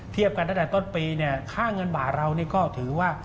เทียบกันตั้งแต่ต้นปีเนี่ยค่าเงินบาทเรานี่ก็ถือว่า